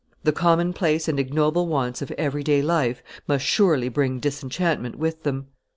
The commonplace and ignoble wants of every day life must surely bring disenchantment with them.